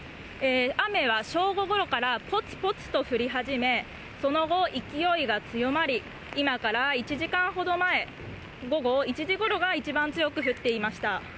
雨は正午ごろからぽつぽつと降り始め、その後、勢いが強まり、今から１時間ほど前、午後１時ごろが一番強く降っていました。